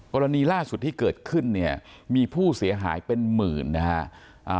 กรณีล่าสุดที่เกิดขึ้นเนี่ยมีผู้เสียหายเป็นหมื่นนะฮะ